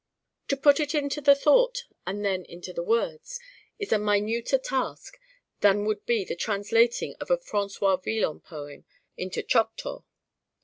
To put it into the thought and then into the words is a minuter task than would be the translating of a François Villon poem into Choctaw.